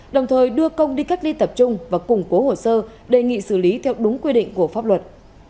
đồng thời đưa công đi cách ly tập trung và củng cố hồ sơ đề nghị xử lý theo đúng quy định của pháp luật